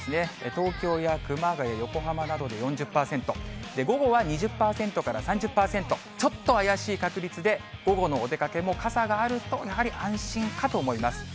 東京や熊谷、横浜などで４０％、午後は２０％から３０％、ちょっと怪しい確率で、午後のお出かけも傘があるとやはり安心かと思います。